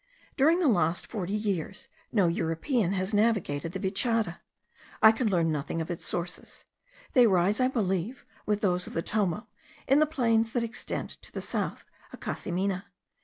During the last forty years no European has navigated the Vichada. I could learn nothing of its sources; they rise, I believe, with those of the Tomo, in the plains that extend to the south of Casimena.